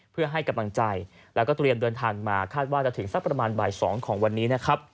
เพื่อให้กำลังใจและก็เตรียมเดินทางมาคาดว่าจะถึงประมาณ๒นาทีของวันนี้